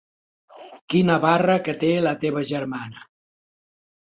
Quina barra que té la teva germana.